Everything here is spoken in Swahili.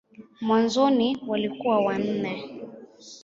Mwanzoni walikuwa wanne.